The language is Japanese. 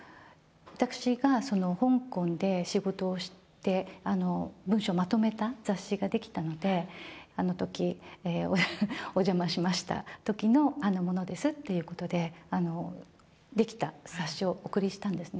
私が香港で仕事をして、文章をまとめた雑誌が出来たので、あのとき、お邪魔しましたときの、あの者ですっていうことで、出来た雑誌をお送りしたんですね。